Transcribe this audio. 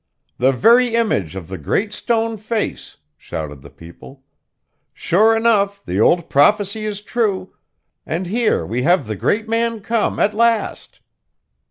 'The very image or the Great Stone Face!' shouted the people. 'Sure enough, the old prophecy is true; and here we have the great man come, at last!